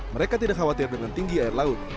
mereka tidak khawatir dengan tinggi air laut